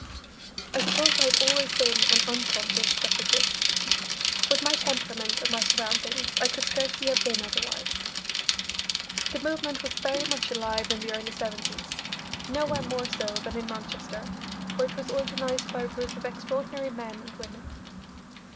I suppose I had always been an unconscious suffragist. With my temperament and my surroundings I could scarcely have been otherwise. The movement was very much alive in the early seventies, nowhere more so than in Manchester, where it was organised by a group of extraordinary men and women.